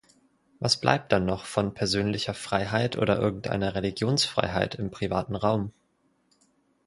Was bleibt dann noch von persönlicher Freiheit oder irgendeiner Religionsfreiheit im privaten Raum?